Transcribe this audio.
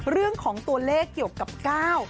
เรื่องของตัวเลขเกี่ยวกับก้าว